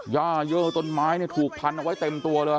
ย่าเยอะต้นไม้ถูกพันธุ์เอาไว้เต็มตัวเลย